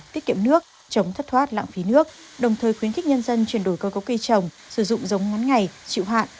tiết kiệm nước chống thất thoát lãng phí nước đồng thời khuyến khích nhân dân chuyển đổi cơ cấu cây trồng sử dụng giống ngắn ngày chịu hạn